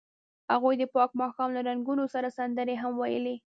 هغوی د پاک ماښام له رنګونو سره سندرې هم ویلې.